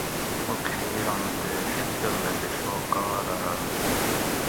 مُک شی بِرنتے شکۤل لکۤہ شوکارہ